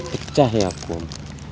pecah ya kum